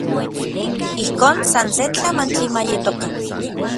Ijkon san se tlamantli ma yetokan.